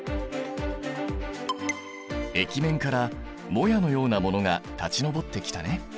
液面からもやのようなものが立ち上ってきたね。